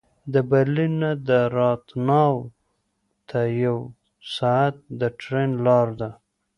د برلین نه راتناو ته یو ساعت د ټرېن لاره ده